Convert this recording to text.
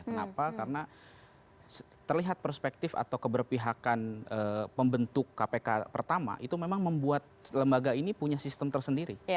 kenapa karena terlihat perspektif atau keberpihakan pembentuk kpk pertama itu memang membuat lembaga ini punya sistem tersendiri